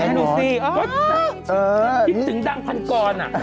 เล็กโง่